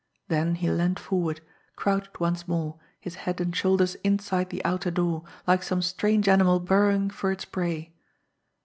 Then he leaned forward, crouched once more, his head and shoulders inside the outer door, like some strange animal burrowing for its prey.